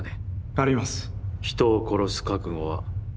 あります。